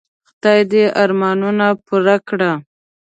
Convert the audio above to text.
خدای دي ارمانونه پوره کړه .